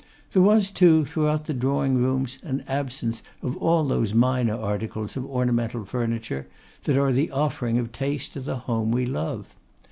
There was, too, throughout the drawing rooms an absence of all those minor articles of ornamental furniture that are the offering of taste to the home we love.